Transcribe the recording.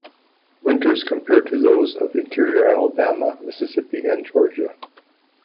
Winters compare to those of interior Alabama, Mississippi, and Georgia.